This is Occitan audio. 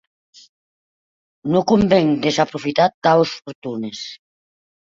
Non conven desaprofitar taus fortunes.